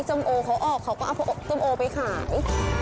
ส้มโอเขาออกเขาก็เอาส้มโอไปขาย